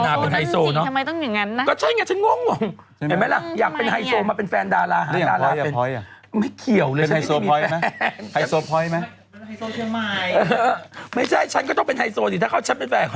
ถ้าคงเป็นฮาโซต้องมาทำเป็นไฮโซเท่าไหร่นะ